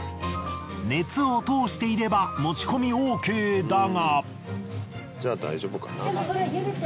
熱を通していれば持ち込みＯＫだが。